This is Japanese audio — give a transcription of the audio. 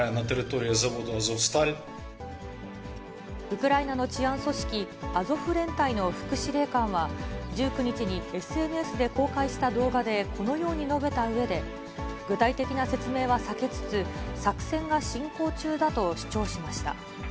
ウクライナの治安組織、アゾフ連隊の副司令官は、１９日にＳＮＳで公開した動画でこのように述べたうえで、具体的な説明は避けつつ、作戦が進行中だと主張しました。